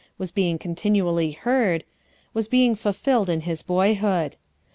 " was being continually heard, — was being fulfilled in his boyhood.